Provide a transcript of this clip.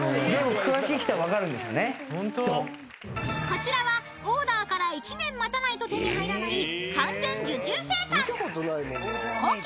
［こちらはオーダーから１年待たないと手に入らない完全受注生産］